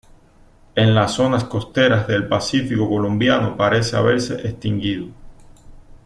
En la zonas costeras del Pacífico colombiano parece haberse extinguido.